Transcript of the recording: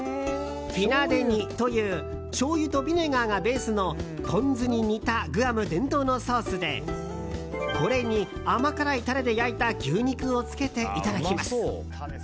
フィナデニというしょうゆとビネガーがベースのポン酢に似たグアム伝統のソースでこれに甘辛いタレで焼いた牛肉をつけていただきます。